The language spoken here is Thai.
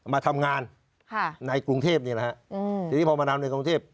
มาทำงานในกรุงเทพนี้นะครับจริงพอมาทำในกรุงเทพ